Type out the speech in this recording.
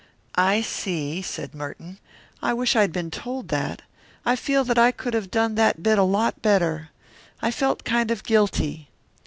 "I see," said Merton. "I wish I had been told that. I feel that I could have done that bit a lot better. I felt kind of guilty."